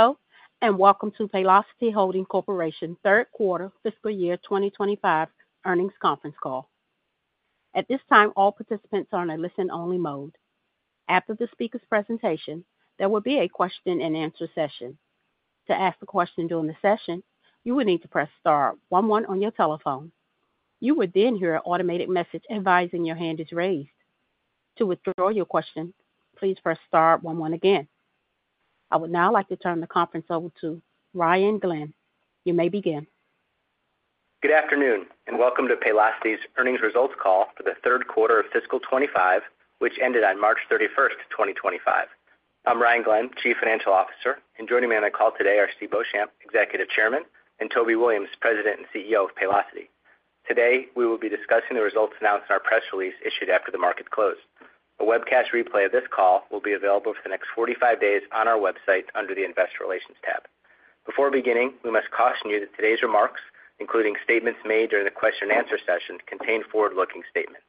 Hello, and welcome to Paylocity Holding Corporation's third quarter fiscal year 2025 earnings conference call. At this time, all participants are in a listen-only mode. After the speaker's presentation, there will be a question-and-answer session. To ask a question during the session, you will need to press star 11 on your telephone. You will then hear an automated message advising your hand is raised. To withdraw your question, please press star 11 again. I would now like to turn the conference over to Ryan Glenn. You may begin. Good afternoon, and welcome to Paylocity's earnings results call for the third quarter of fiscal 2025, which ended on March 31st, 2025. I'm Ryan Glenn, Chief Financial Officer, and joining me on the call today are Steve Beauchamp, Executive Chairman, and Toby Williams, President and CEO of Paylocity. Today, we will be discussing the results announced in our press release issued after the market closed. A webcast replay of this call will be available for the next 45 days on our website under the Investor Relations tab. Before beginning, we must caution you that today's remarks, including statements made during the question-and-answer session, contain forward-looking statements.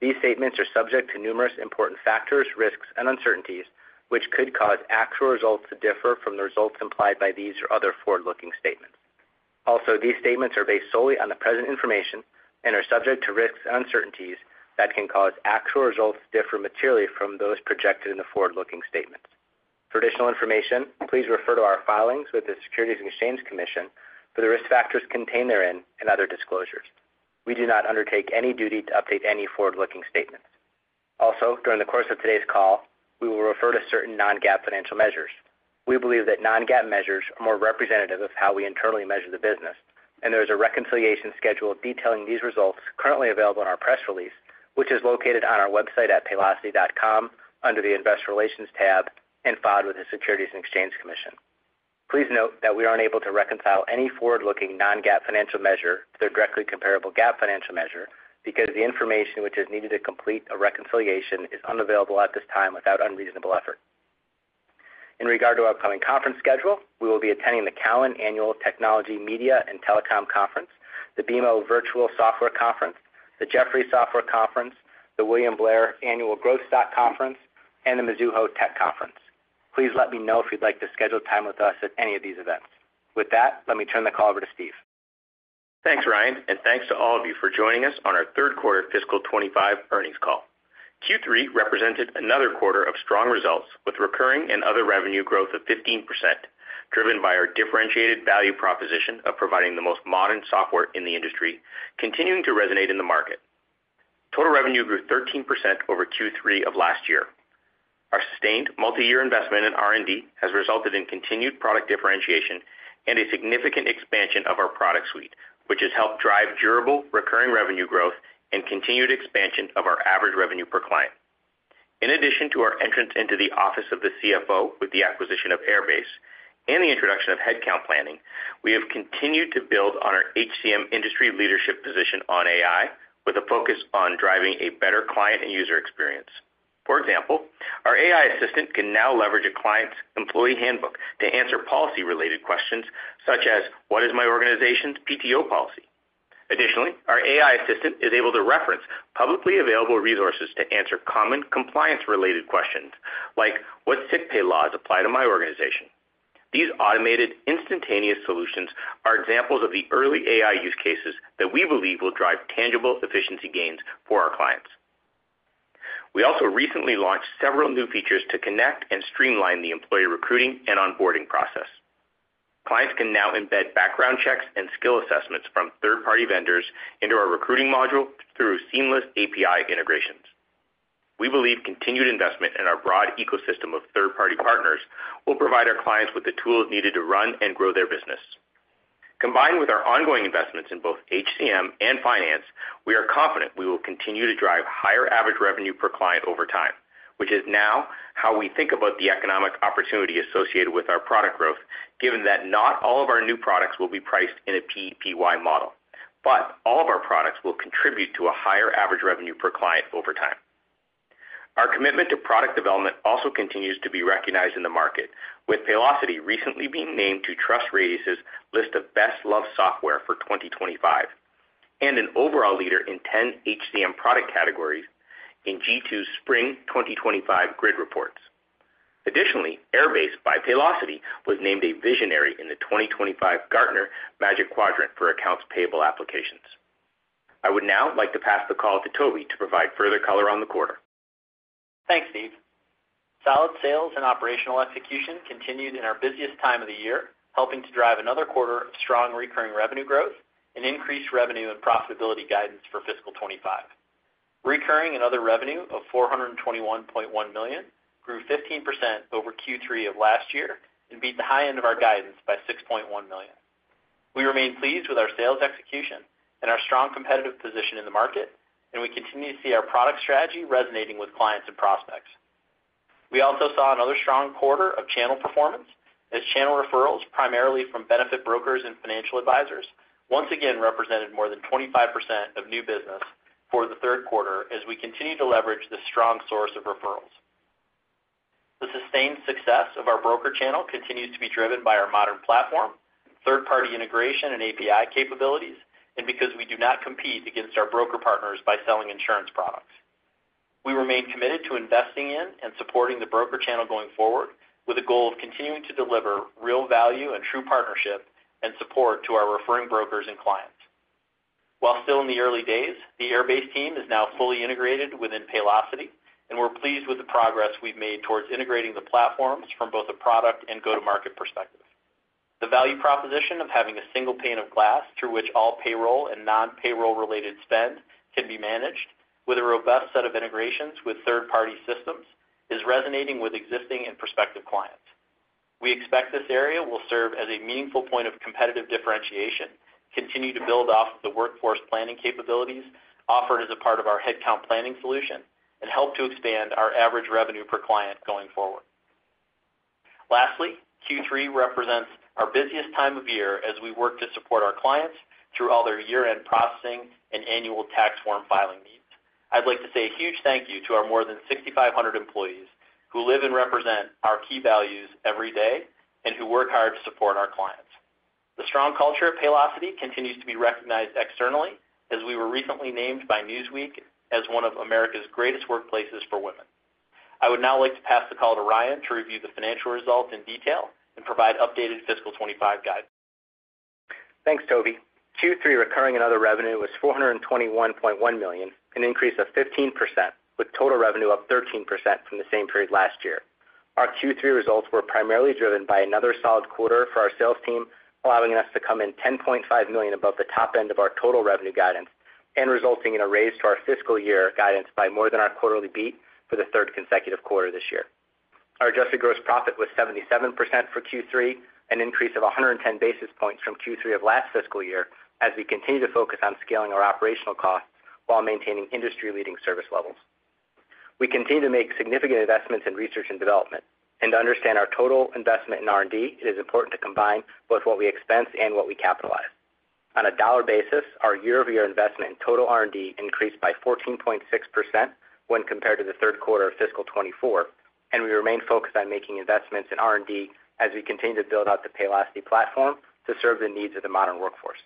These statements are subject to numerous important factors, risks, and uncertainties, which could cause actual results to differ from the results implied by these or other forward-looking statements. Also, these statements are based solely on the present information and are subject to risks and uncertainties that can cause actual results to differ materially from those projected in the forward-looking statements. For additional information, please refer to our filings with the Securities and Exchange Commission for the risk factors contained therein and other disclosures. We do not undertake any duty to update any forward-looking statements. Also, during the course of today's call, we will refer to certain non-GAAP financial measures. We believe that non-GAAP measures are more representative of how we internally measure the business, and there is a reconciliation schedule detailing these results currently available in our press release, which is located on our website at paylocity.com under the Investor Relations tab and filed with the Securities and Exchange Commission. Please note that we are unable to reconcile any forward-looking non-GAAP financial measure to their directly comparable GAAP financial measure because the information which is needed to complete a reconciliation is unavailable at this time without unreasonable effort. In regard to our upcoming conference schedule, we will be attending the TD Cowen Annual Technology Media & Telecom Conference, the BMO Virtual Software Conference, the Jefferies Software Conference, the William Blair Annual Growth Stock Conference, and the Mizuho Tech Conference. Please let me know if you'd like to schedule time with us at any of these events. With that, let me turn the call over to Steve. Thanks, Ryan, and thanks to all of you for joining us on our third quarter fiscal 2025 earnings call. Q3 represented another quarter of strong results with recurring and other revenue growth of 15%, driven by our differentiated value proposition of providing the most modern software in the industry, continuing to resonate in the market. Total revenue grew 13% over Q3 of last year. Our sustained multi-year investment in R&D has resulted in continued product differentiation and a significant expansion of our product suite, which has helped drive durable recurring revenue growth and continued expansion of our average revenue per client. In addition to our entrance into the Office of the CFO with the acquisition of Airbase and the introduction of Headcount Planning, we have continued to build on our HCM industry leadership position on AI with a focus on driving a better client and user experience. For example, our AI Assistant can now leverage a client's employee handbook to answer policy-related questions such as, "What is my organization's PTO policy?" Additionally, our AI Assistant is able to reference publicly available resources to answer common compliance-related questions like, "What sick pay laws apply to my organization?" These automated, instantaneous solutions are examples of the early AI use cases that we believe will drive tangible efficiency gains for our clients. We also recently launched several new features to connect and streamline the employee recruiting and onboarding process. Clients can now embed background checks and skill assessments from third-party vendors into our Recruiting Module through seamless API integrations. We believe continued investment in our broad ecosystem of third-party partners will provide our clients with the tools needed to run and grow their business. Combined with our ongoing investments in both HCM and finance, we are confident we will continue to drive higher average revenue per client over time, which is now how we think about the economic opportunity associated with our product growth, given that not all of our new products will be priced in a PEPY model, but all of our products will contribute to a higher average revenue per client over time. Our commitment to product development also continues to be recognized in the market, with Paylocity recently being named to TrustRadius's list of best-loved software for 2025 and an overall leader in 10 HCM product categories in G2's Spring 2025 Grid Reports. Additionally, Airbase by Paylocity was named a Visionary in the 2025 Gartner Magic Quadrant for Accounts Payable Applications. I would now like to pass the call to Toby to provide further color on the quarter. Thanks, Steve. Solid sales and operational execution continued in our busiest time of the year, helping to drive another quarter of strong recurring revenue growth and increased revenue and profitability guidance for fiscal 2025. Recurring and other revenue of $421.1 million grew 15% over Q3 of last year and beat the high end of our guidance by $6.1 million. We remain pleased with our sales execution and our strong competitive position in the market, and we continue to see our product strategy resonating with clients and prospects. We also saw another strong quarter of channel performance as channel referrals primarily from benefit brokers and financial advisors once again represented more than 25% of new business for the third quarter as we continue to leverage the strong source of referrals. The sustained success of our broker channel continues to be driven by our modern platform, third-party integration and API capabilities, and because we do not compete against our broker partners by selling insurance products. We remain committed to investing in and supporting the broker channel going forward with a goal of continuing to deliver real value and true partnership and support to our referring brokers and clients. While still in the early days, the Airbase team is now fully integrated within Paylocity, and we're pleased with the progress we've made towards integrating the platforms from both a product and go-to-market perspective. The value proposition of having a single pane of glass through which all payroll and non-payroll-related spend can be managed with a robust set of integrations with third-party systems is resonating with existing and prospective clients. We expect this area will serve as a meaningful point of competitive differentiation, continue to build off of the workforce planning capabilities offered as a part of our Headcount Planning solution, and help to expand our average revenue per client going forward. Lastly, Q3 represents our busiest time of year as we work to support our clients through all their year-end processing and annual tax form filing needs. I'd like to say a huge thank you to our more than 6,500 employees who live and represent our key values every day and who work hard to support our clients. The strong culture at Paylocity continues to be recognized externally as we were recently named by Newsweek as one of America's Greatest Workplaces for Women. I would now like to pass the call to Ryan to review the financial results in detail and provide updated fiscal 2025 guidance. Thanks, Toby. Q3 recurring and other revenue was $421.1 million, an increase of 15%, with total revenue up 13% from the same period last year. Our Q3 results were primarily driven by another solid quarter for our sales team, allowing us to come in $10.5 million above the top end of our total revenue guidance and resulting in a raise to our fiscal year guidance by more than our quarterly beat for the third consecutive quarter this year. Our adjusted gross profit was 77% for Q3, an increase of 110 basis points from Q3 of last fiscal year as we continue to focus on scaling our operational costs while maintaining industry-leading service levels. We continue to make significant investments in research and development. To understand our total investment in R&D, it is important to combine both what we expense and what we capitalize. On a dollar basis, our year-over-year investment in total R&D increased by 14.6% when compared to the third quarter of fiscal 2024, and we remain focused on making investments in R&D as we continue to build out the Paylocity platform to serve the needs of the modern workforce.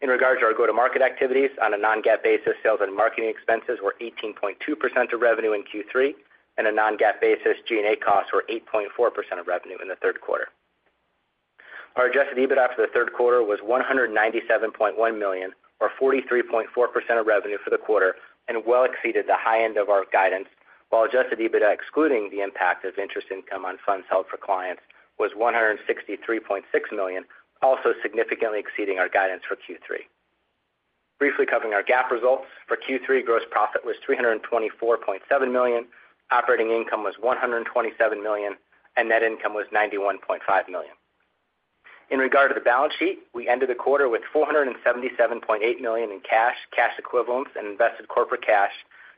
In regard to our go-to-market activities, on a non-GAAP basis, sales and marketing expenses were 18.2% of revenue in Q3, and on a non-GAAP basis, G&A costs were 8.4% of revenue in the third quarter. Our adjusted EBITDA for the third quarter was $197.1 million, or 43.4% of revenue for the quarter, and well exceeded the high end of our guidance, while adjusted EBITDA excluding the impact of interest income on funds held for clients was $163.6 million, also significantly exceeding our guidance for Q3. Briefly covering our GAAP results, for Q3 gross profit was $324.7 million, operating income was $127 million, and net income was $91.5 million. In regard to the balance sheet, we ended the quarter with $477.8 million in cash, cash equivalents, and invested corporate cash,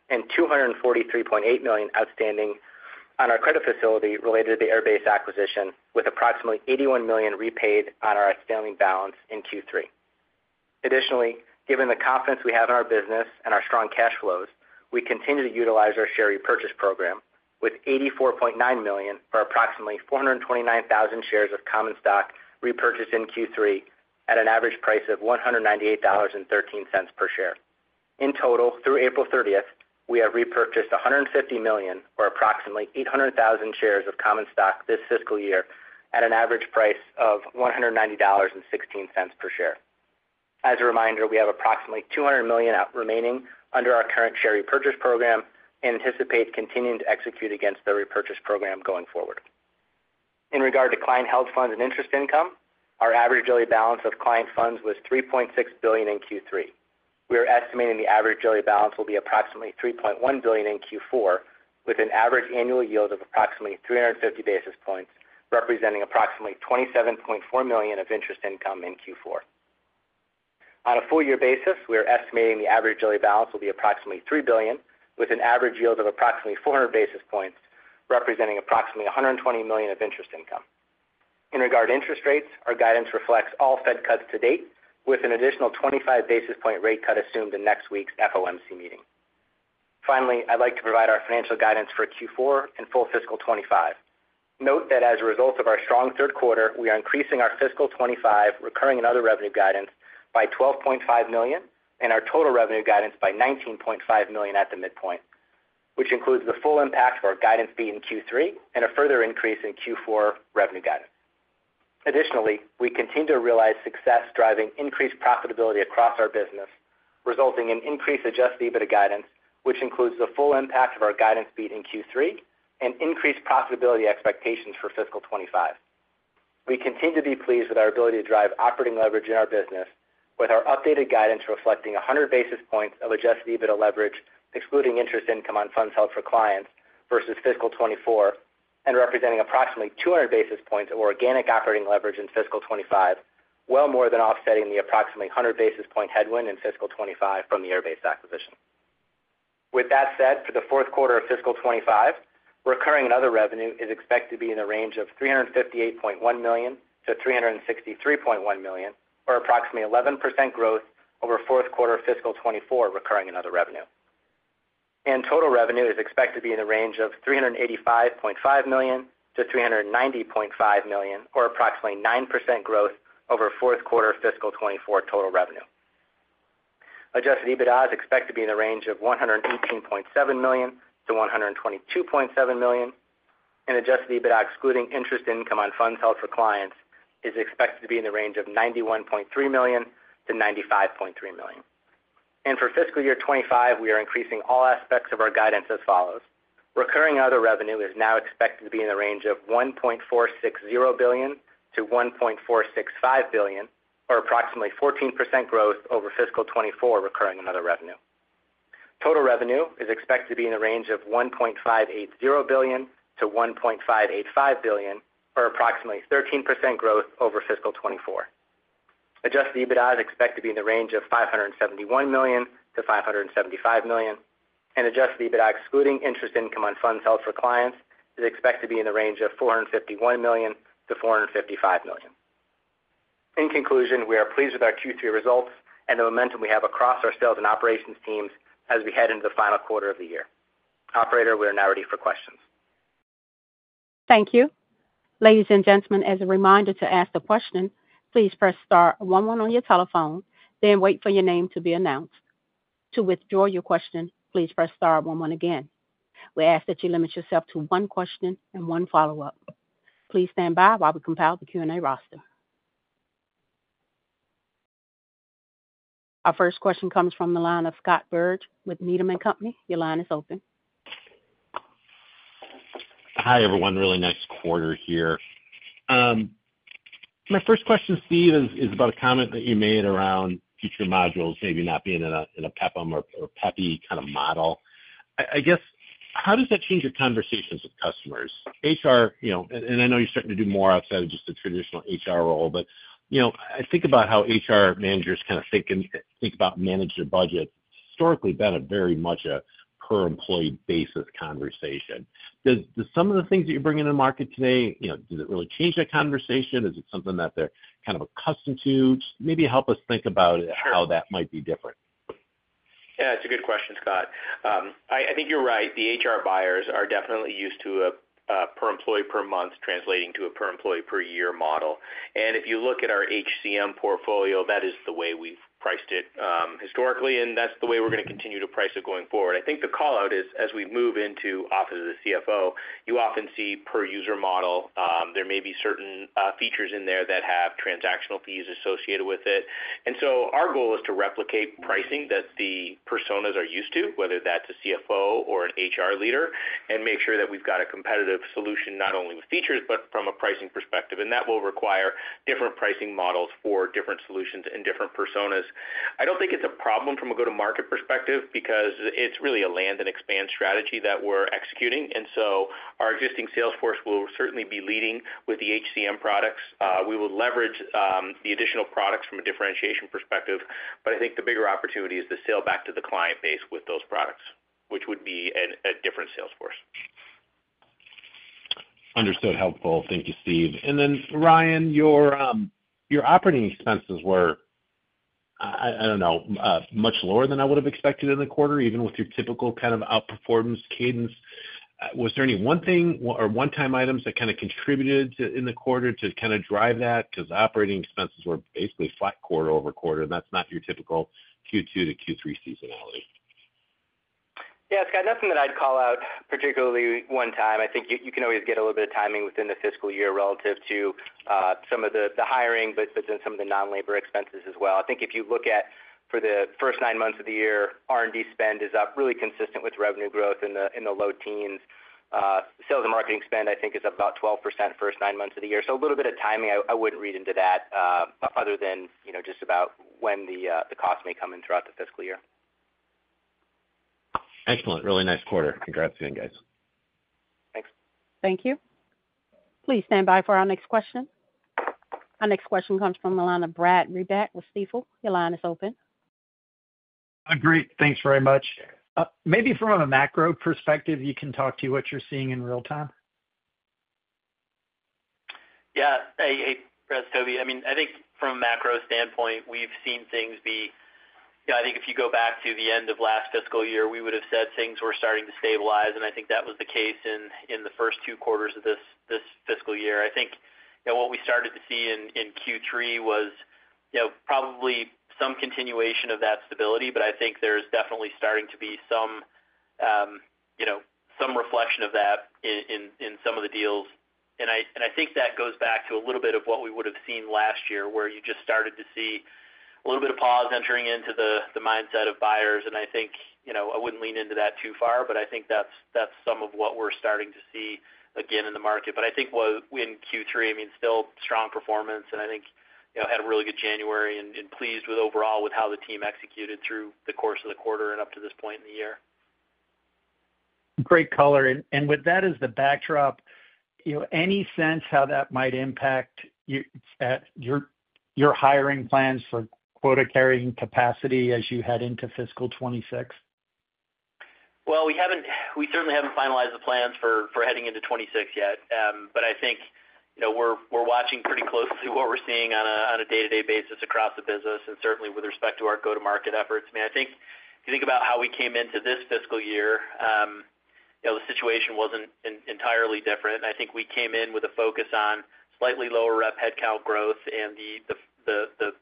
and $243.8 million outstanding on our credit facility related to the Airbase acquisition, with approximately $81 million repaid on our outstanding balance in Q3. Additionally, given the confidence we have in our business and our strong cash flows, we continue to utilize our share repurchase program with $84.9 million for approximately 429,000 shares of common stock repurchased in Q3 at an average price of $198.13 per share. In total, through April 30th, we have repurchased $150 million, or approximately 800,000 shares of common stock this fiscal year at an average price of $190.16 per share. As a reminder, we have approximately $200 million remaining under our current share repurchase program and anticipate continuing to execute against the repurchase program going forward. In regard to client held funds and interest income, our average daily balance of client funds was $3.6 billion in Q3. We are estimating the average daily balance will be approximately $3.1 billion in Q4, with an average annual yield of approximately 350 basis points, representing approximately $27.4 million of interest income in Q4. On a full-year basis, we are estimating the average daily balance will be approximately $3 billion, with an average yield of approximately 400 basis points, representing approximately $120 million of interest income. In regard to interest rates, our guidance reflects all Fed cuts to date, with an additional 25 basis point rate cut assumed in next week's FOMC meeting. Finally, I'd like to provide our financial guidance for Q4 and full fiscal 2025. Note that as a result of our strong third quarter, we are increasing our fiscal 2025 recurring and other revenue guidance by $12.5 million and our total revenue guidance by $19.5 million at the midpoint, which includes the full impact of our guidance beat in Q3 and a further increase in Q4 revenue guidance. Additionally, we continue to realize success driving increased profitability across our business, resulting in increased adjusted EBITDA guidance, which includes the full impact of our guidance beat in Q3 and increased profitability expectations for fiscal 2025. We continue to be pleased with our ability to drive operating leverage in our business, with our updated guidance reflecting 100 basis points of adjusted EBITDA leverage, excluding interest income on funds held for clients versus fiscal 2024, and representing approximately 200 basis points of organic operating leverage in fiscal 2025, well more than offsetting the approximately 100 basis point headwind in fiscal 2025 from the Airbase acquisition. With that said, for the fourth quarter of fiscal 2025, recurring and other revenue is expected to be in the range of $358.1 million-$363.1 million, or approximately 11% growth over fourth quarter of fiscal 2024 recurring and other revenue. Total revenue is expected to be in the range of $385.5 million-$390.5 million, or approximately 9% growth over fourth quarter of fiscal 2024 total revenue. Adjusted EBITDA is expected to be in the range of $118.7 million-$122.7 million, and adjusted EBITDA excluding interest income on funds held for clients is expected to be in the range of $91.3 million-$95.3 million. For fiscal year 2025, we are increasing all aspects of our guidance as follows. Recurring and other revenue is now expected to be in the range of $1.460 billion-$1.465 billion, or approximately 14% growth over fiscal 2024 recurring and other revenue. Total revenue is expected to be in the range of $1.580 billion-$1.585 billion, or approximately 13% growth over fiscal 2024. Adjusted EBITDA is expected to be in the range of $571 million-$575 million, and adjusted EBITDA excluding interest income on funds held for clients is expected to be in the range of $451 million-$455 million. In conclusion, we are pleased with our Q3 results and the momentum we have across our sales and operations teams as we head into the final quarter of the year. Operator, we are now ready for questions. Thank you. Ladies and gentlemen, as a reminder to ask a question, please press star 11 on your telephone, then wait for your name to be announced. To withdraw your question, please press star 11 again. We ask that you limit yourself to one question and one follow-up. Please stand by while we compile the Q&A roster. Our first question comes from the line of Scott Berg with Needham & Company. Your line is open. Hi, everyone. Really nice quarter here. My first question, Steve, is about a comment that you made around future modules maybe not being in a PEPM or PEPY kind of model. I guess, how does that change your conversations with customers? HR, and I know you're starting to do more outside of just the traditional HR role, but I think about how HR managers kind of think about managing their budget. Historically, it's been very much a per-employee basis conversation. Do some of the things that you're bringing to market today, does it really change that conversation? Is it something that they're kind of accustomed to? Maybe help us think about how that might be different. Yeah, it's a good question, Scott. I think you're right. The HR buyers are definitely used to a per-employee per month translating to a per-employee per year model. And if you look at our HCM portfolio, that is the way we've priced it historically, and that's the way we're going to continue to price it going forward. I think the call-out is, as we move into Office of the CFO, you often see per-user model. There may be certain features in there that have transactional fees associated with it. And so our goal is to replicate pricing that the personas are used to, whether that's a CFO or an HR leader, and make sure that we've got a competitive solution not only with features but from a pricing perspective. That will require different pricing models for different solutions and different personas. I don't think it's a problem from a go-to-market perspective because it's really a land-and-expand strategy that we're executing. Our existing sales force will certainly be leading with the HCM products. We will leverage the additional products from a differentiation perspective, but I think the bigger opportunity is to sell back to the client base with those products, which would be a different sales force. Understood. Helpful. Thank you, Steve. Ryan, your operating expenses were, I don't know, much lower than I would have expected in the quarter, even with your typical kind of outperformance cadence. Was there any one thing or one-time items that kind of contributed in the quarter to kind of drive that? Because operating expenses were basically flat quarter over quarter, and that's not your typical Q2 to Q3 seasonality. Yeah, Scott, nothing that I'd call out particularly one time. I think you can always get a little bit of timing within the fiscal year relative to some of the hiring, but then some of the non-labor expenses as well. I think if you look at for the first nine months of the year, R&D spend is up really consistent with revenue growth in the low teens. Sales and marketing spend, I think, is up about 12% first nine months of the year. A little bit of timing, I wouldn't read into that other than just about when the cost may come in throughout the fiscal year. Excellent. Really nice quarter. Congrats again, guys. Thanks. Thank you. Please stand by for our next question. Our next question comes from the line of Brad Reback with Stifel. Your line is open. Great. Thanks very much. Maybe from a macro perspective, you can talk to what you're seeing in real time. Yeah. Hey, hey, hey, Toby. I mean, I think from a macro standpoint, we've seen things be—I think if you go back to the end of last fiscal year, we would have said things were starting to stabilize, and I think that was the case in the first two quarters of this fiscal year. I think what we started to see in Q3 was probably some continuation of that stability, but I think there's definitely starting to be some reflection of that in some of the deals. I think that goes back to a little bit of what we would have seen last year, where you just started to see a little bit of pause entering into the mindset of buyers. I think I wouldn't lean into that too far, but I think that's some of what we're starting to see again in the market. I think in Q3, I mean, still strong performance, and I think had a really good January and pleased overall with how the team executed through the course of the quarter and up to this point in the year. Great color. With that as the backdrop, any sense how that might impact your hiring plans for quota-carrying capacity as you head into fiscal 2026? We certainly haven't finalized the plans for heading into 2026 yet, but I think we're watching pretty closely what we're seeing on a day-to-day basis across the business and certainly with respect to our go-to-market efforts. I mean, I think if you think about how we came into this fiscal year, the situation wasn't entirely different. I think we came in with a focus on slightly lower rep headcount growth and the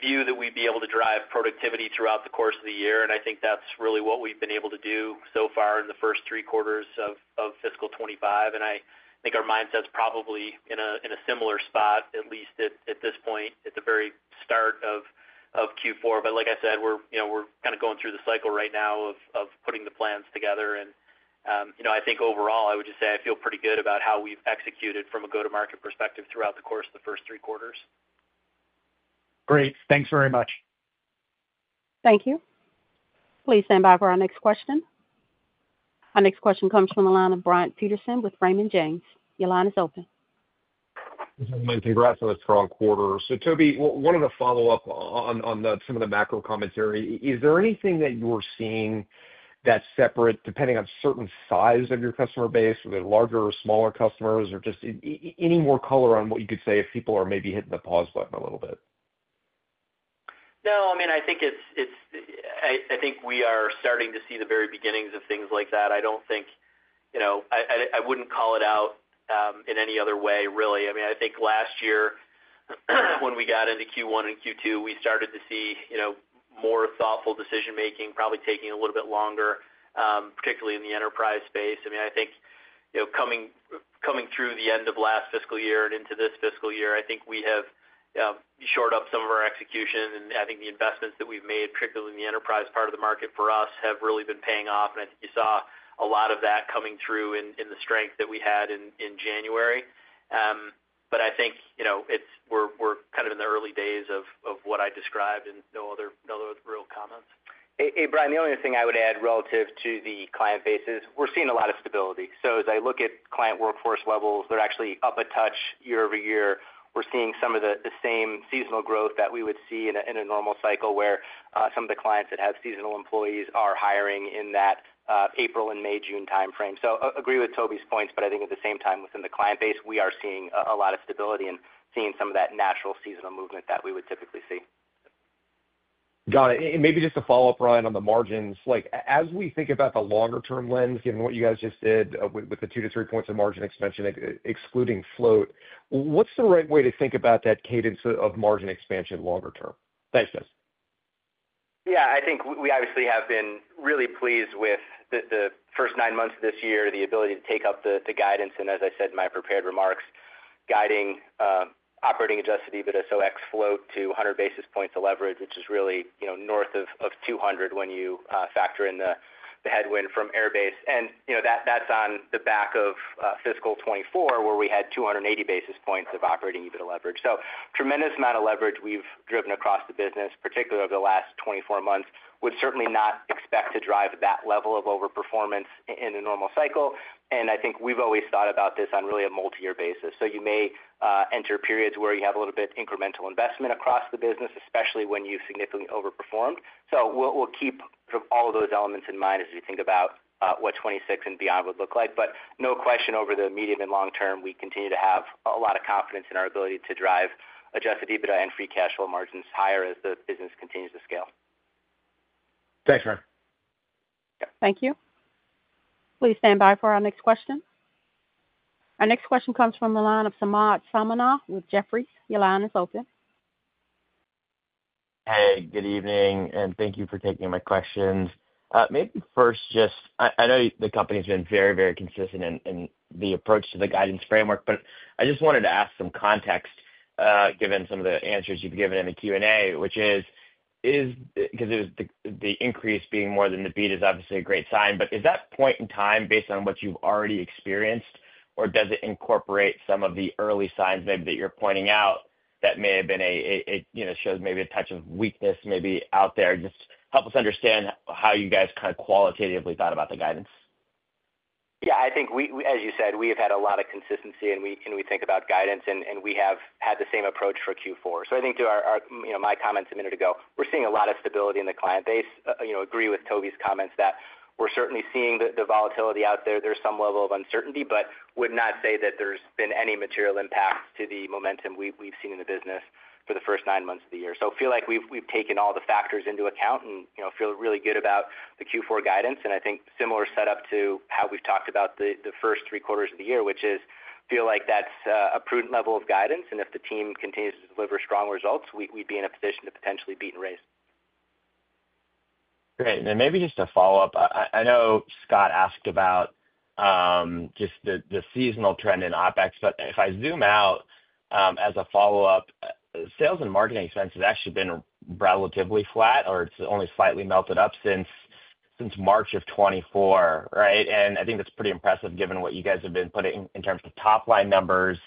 view that we'd be able to drive productivity throughout the course of the year. I think that's really what we've been able to do so far in the first three quarters of fiscal 2025. I think our mindset's probably in a similar spot, at least at this point, at the very start of Q4. Like I said, we're kind of going through the cycle right now of putting the plans together. I think overall, I would just say I feel pretty good about how we've executed from a go-to-market perspective throughout the course of the first three quarters. Great. Thanks very much. Thank you. Please stand by for our next question. Our next question comes from the line of Brian Peterson with Raymond James. Your line is open. Congrats on a strong quarter. Toby, one of the follow-ups on some of the macro commentary, is there anything that you're seeing that's separate depending on certain size of your customer base, whether larger or smaller customers, or just any more color on what you could say if people are maybe hitting the pause button a little bit? No. I mean, I think we are starting to see the very beginnings of things like that. I don't think I wouldn't call it out in any other way, really. I mean, I think last year when we got into Q1 and Q2, we started to see more thoughtful decision-making, probably taking a little bit longer, particularly in the enterprise space. I think coming through the end of last fiscal year and into this fiscal year, I think we have shored up some of our execution. I think the investments that we've made, particularly in the enterprise part of the market for us, have really been paying off. I think you saw a lot of that coming through in the strength that we had in January. I think we're kind of in the early days of what I described and no other real comments. Hey, Brian, the only thing I would add relative to the client base is we're seeing a lot of stability. As I look at client workforce levels, they're actually up a touch year over year. We're seeing some of the same seasonal growth that we would see in a normal cycle where some of the clients that have seasonal employees are hiring in that April and May, June timeframe. I agree with Toby's points, but I think at the same time, within the client base, we are seeing a lot of stability and seeing some of that natural seasonal movement that we would typically see. Got it. Maybe just a follow-up, Ryan, on the margins. As we think about the longer-term lens, given what you guys just did with the 2-3 percentage points of margin expansion, excluding float, what's the right way to think about that cadence of margin expansion longer-term? Thanks, guys. Yeah. I think we obviously have been really pleased with the first nine months of this year, the ability to take up the guidance. As I said in my prepared remarks, guiding operating adjusted EBITDA, so ex float, to 100 basis points of leverage, which is really north of 200 when you factor in the headwind from Airbase. That is on the back of fiscal 2024, where we had 280 basis points of operating EBITDA leverage. A tremendous amount of leverage we have driven across the business, particularly over the last 24 months, would certainly not expect to drive that level of overperformance in a normal cycle. I think we have always thought about this on really a multi-year basis. You may enter periods where you have a little bit of incremental investment across the business, especially when you have significantly overperformed. We will keep all of those elements in mind as we think about what 2026 and beyond would look like. No question over the medium and long term, we continue to have a lot of confidence in our ability to drive adjusted EBITDA and free cash flow margins higher as the business continues to scale. Thanks, Ryan. Thank you. Please stand by for our next question. Our next question comes from the line of Samad Samana with Jefferies. Your line is open. Hey, good evening, and thank you for taking my questions. Maybe first, just I know the company's been very, very consistent in the approach to the guidance framework, but I just wanted to ask some context, given some of the answers you've given in the Q&A, which is because the increase being more than the beat is obviously a great sign. Is that point in time, based on what you've already experienced, or does it incorporate some of the early signs maybe that you're pointing out that may have been a shows maybe a touch of weakness maybe out there? Just help us understand how you guys kind of qualitatively thought about the guidance. Yeah. I think, as you said, we have had a lot of consistency, and we think about guidance, and we have had the same approach for Q4. I think to my comments a minute ago, we're seeing a lot of stability in the client base. I agree with Toby's comments that we're certainly seeing the volatility out there. There's some level of uncertainty, but would not say that there's been any material impact to the momentum we've seen in the business for the first nine months of the year. I feel like we've taken all the factors into account and feel really good about the Q4 guidance. I think similar setup to how we've talked about the first three quarters of the year, which is feel like that's a prudent level of guidance. If the team continues to deliver strong results, we'd be in a position to potentially beat and raise. Great. Maybe just a follow-up. I know Scott asked about just the seasonal trend in OpEx, but if I zoom out as a follow-up, sales and marketing expense has actually been relatively flat, or it has only slightly melted up since March of 2024, right? I think that is pretty impressive given what you guys have been putting in terms of top-line numbers.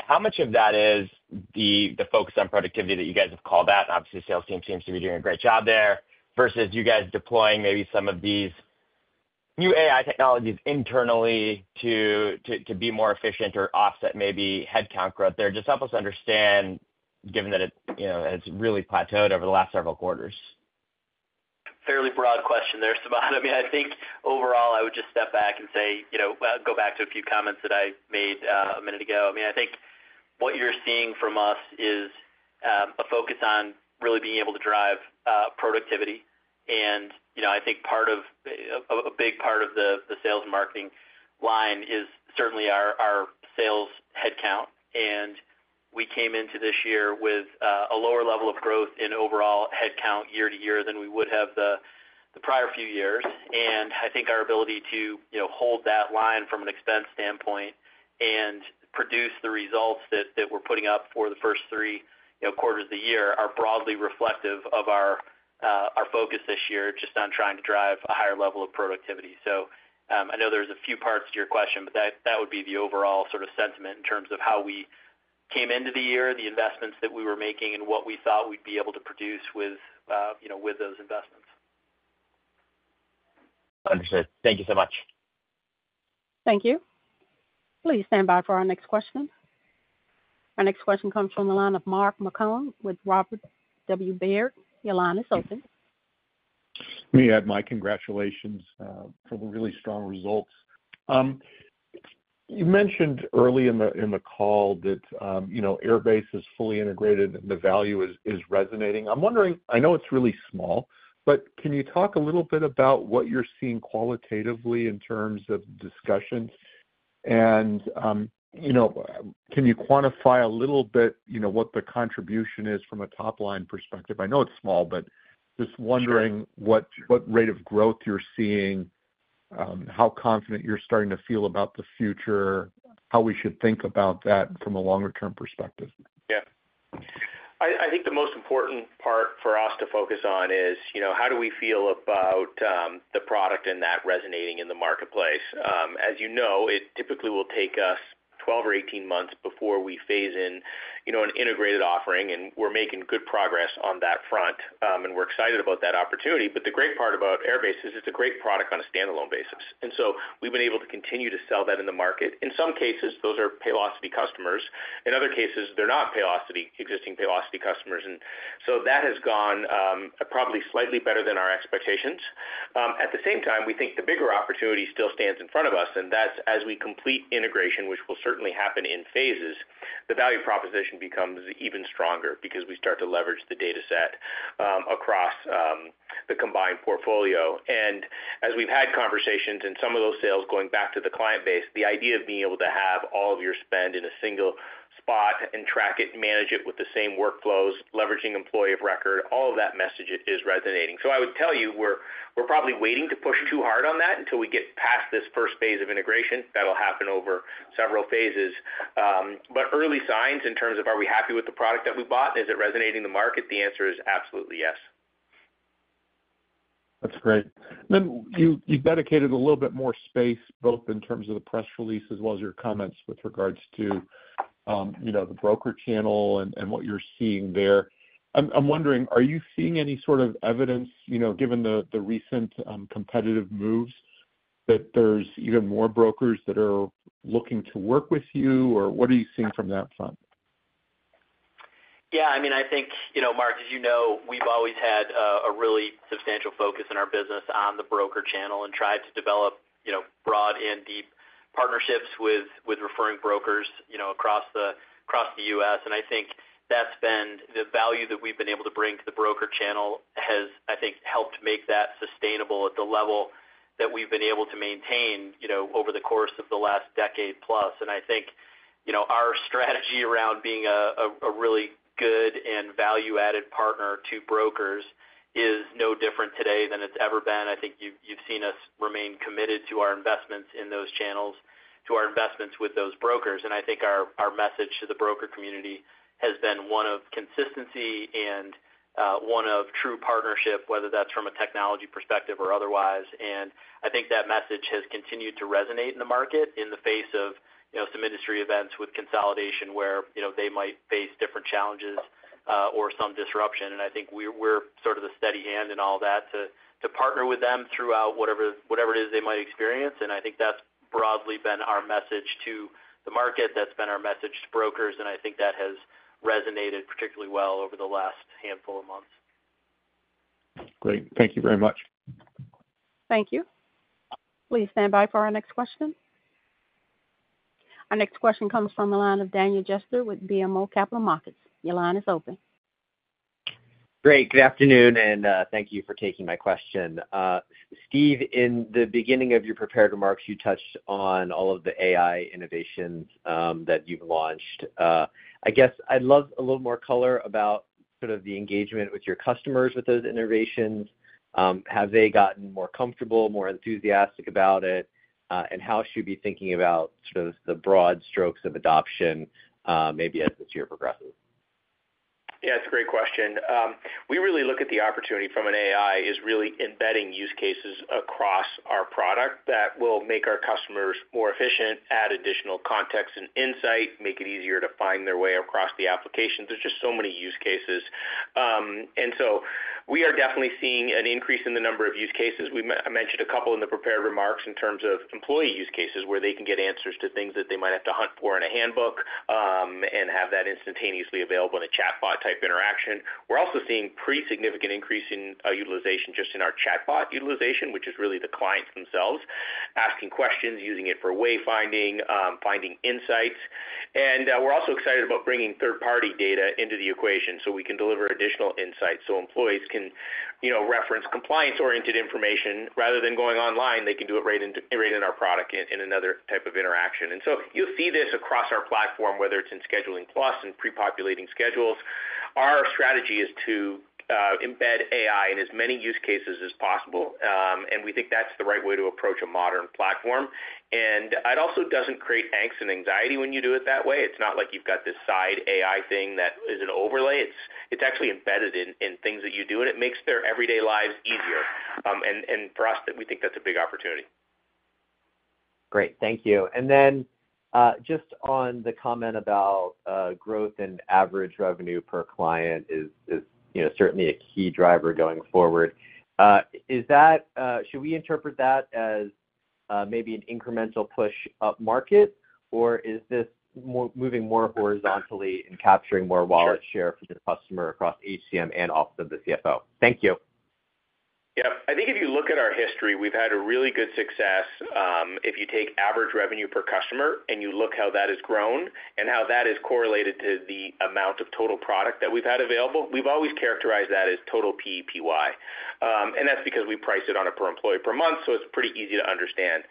How much of that is the focus on productivity that you guys have called out? Obviously, the sales team seems to be doing a great job there versus you guys deploying maybe some of these new AI technologies internally to be more efficient or offset maybe headcount growth there. Just help us understand, given that it has really plateaued over the last several quarters. Fairly broad question there, Samad. I mean, I think overall, I would just step back and say go back to a few comments that I made a minute ago. I mean, I think what you're seeing from us is a focus on really being able to drive productivity. I think a big part of the sales and marketing line is certainly our sales headcount. We came into this year with a lower level of growth in overall headcount year to year than we would have the prior few years. I think our ability to hold that line from an expense standpoint and produce the results that we're putting up for the first three quarters of the year are broadly reflective of our focus this year just on trying to drive a higher level of productivity. I know there's a few parts to your question, but that would be the overall sort of sentiment in terms of how we came into the year, the investments that we were making, and what we thought we'd be able to produce with those investments. Understood. Thank you so much. Thank you. Please stand by for our next question. Our next question comes from the line of Mark Marcon with Robert W. Baird. Your line is open. Let me add my congratulations for the really strong results. You mentioned early in the call that Airbase is fully integrated and the value is resonating. I know it's really small, but can you talk a little bit about what you're seeing qualitatively in terms of discussions? Can you quantify a little bit what the contribution is from a top-line perspective? I know it's small, but just wondering what rate of growth you're seeing, how confident you're starting to feel about the future, how we should think about that from a longer-term perspective. Yeah. I think the most important part for us to focus on is how do we feel about the product and that resonating in the marketplace? As you know, it typically will take us 12 or 18 months before we phase in an integrated offering. We are making good progress on that front, and we are excited about that opportunity. The great part about Airbase is it is a great product on a standalone basis. We have been able to continue to sell that in the market. In some cases, those are Paylocity customers. In other cases, they are not existing Paylocity customers. That has gone probably slightly better than our expectations. At the same time, we think the bigger opportunity still stands in front of us. As we complete integration, which will certainly happen in phases, the value proposition becomes even stronger because we start to leverage the dataset across the combined portfolio. As we've had conversations and some of those sales going back to the client base, the idea of being able to have all of your spend in a single spot and track it and manage it with the same workflows, leveraging employee of record, all of that message is resonating. I would tell you we're probably waiting to push too hard on that until we get past this first phase of integration. That will happen over several phases. Early signs in terms of are we happy with the product that we bought, is it resonating in the market, the answer is absolutely yes. That's great. You have dedicated a little bit more space both in terms of the press release as well as your comments with regards to the broker channel and what you are seeing there. I'm wondering, are you seeing any sort of evidence, given the recent competitive moves, that there are even more brokers that are looking to work with you? Or what are you seeing from that front? Yeah. I mean, I think, Mark, as you know, we've always had a really substantial focus in our business on the broker channel and tried to develop broad and deep partnerships with referring brokers across the U.S. I think that's been the value that we've been able to bring to the broker channel, has, I think, helped make that sustainable at the level that we've been able to maintain over the course of the last decade plus. I think our strategy around being a really good and value-added partner to brokers is no different today than it's ever been. I think you've seen us remain committed to our investments in those channels, to our investments with those brokers. I think our message to the broker community has been one of consistency and one of true partnership, whether that's from a technology perspective or otherwise. I think that message has continued to resonate in the market in the face of some industry events with consolidation where they might face different challenges or some disruption. I think we are sort of the steady hand in all that to partner with them throughout whatever it is they might experience. I think that is broadly been our message to the market. That has been our message to brokers. I think that has resonated particularly well over the last handful of months. Great. Thank you very much. Thank you. Please stand by for our next question. Our next question comes from the line of Daniel Jester with BMO Capital Markets. Your line is open. Great. Good afternoon, and thank you for taking my question. Steve, in the beginning of your prepared remarks, you touched on all of the AI innovations that you've launched. I guess I'd love a little more color about sort of the engagement with your customers with those innovations. Have they gotten more comfortable, more enthusiastic about it? How should we be thinking about sort of the broad strokes of adoption maybe as this year progresses? Yeah. It's a great question. We really look at the opportunity from an AI is really embedding use cases across our product that will make our customers more efficient, add additional context and insight, make it easier to find their way across the applications. There's just so many use cases. We are definitely seeing an increase in the number of use cases. I mentioned a couple in the prepared remarks in terms of employee use cases where they can get answers to things that they might have to hunt for in a handbook and have that instantaneously available in a chatbot type interaction. We're also seeing a pretty significant increase in utilization just in our chatbot utilization, which is really the clients themselves asking questions, using it for wayfinding, finding insights. We are also excited about bringing third-party data into the equation so we can deliver additional insights so employees can reference compliance-oriented information. Rather than going online, they can do it right in our product in another type of interaction. You will see this across our platform, whether it is in Scheduling Plus and pre-populating schedules. Our strategy is to embed AI in as many use cases as possible. We think that is the right way to approach a modern platform. It also does not create angst and anxiety when you do it that way. It is not like you have got this side AI thing that is an overlay. It is actually embedded in things that you do, and it makes their everyday lives easier. For us, we think that is a big opportunity. Great. Thank you. Just on the comment about growth and average revenue per client is certainly a key driver going forward. Should we interpret that as maybe an incremental push up market, or is this moving more horizontally in capturing more wallet share for the customer across HCM and also the CFO? Thank you. Yep. I think if you look at our history, we've had a really good success. If you take average revenue per customer and you look how that has grown and how that is correlated to the amount of total product that we've had available, we've always characterized that as total PEPY. And that's because we price it on a per employee per month, so it's pretty easy to understand.